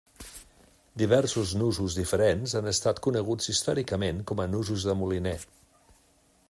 Diversos nusos diferents han estat coneguts històricament com a nusos de moliner.